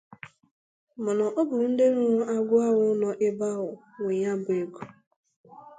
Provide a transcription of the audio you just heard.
Mana ọ bụ ndị rụrụ agwụ ahụ nọ ebe ahụ nwe ya bụ ego